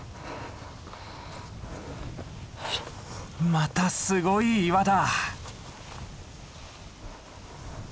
またすごい岩だ！